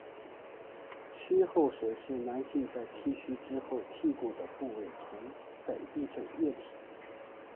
须后水是男性在剃须之后于剃过的部位涂的一种液体。